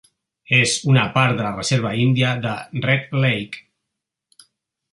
És una part de la reserva índia de Red Lake.